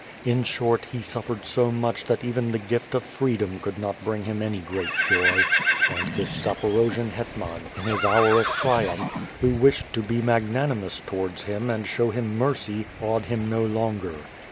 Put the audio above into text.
In short, he suifered so much that even the gift of freedom could not bring him any great joy, and this Za porojian hetman, in his hour of triumph, who wished to be magnanimous towards him and show him mercy awed him no longer.